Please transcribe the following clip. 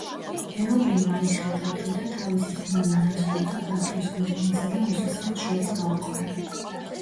ეოვინმა იხელთა დრო და თავისი ხმალი ნაზგულთა ბატონს გვირგვინსა და მოსასხამს შორის გაუყარა.